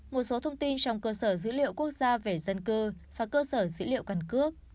một số thông tin trong cơ sở dữ liệu quốc gia về dân cư và cơ sở dữ liệu căn cước